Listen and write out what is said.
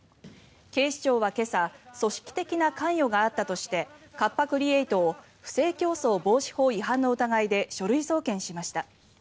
警視庁は今朝組織的な関与があったとしてカッパ・クリエイトを不正競争防止法違反の疑いで書類送検しました。